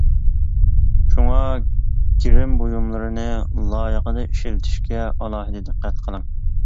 شۇڭا گىرىم بۇيۇملىرىنى لايىقىدا ئىشلىتىشكە ئالاھىدە دىققەت قىلىڭ.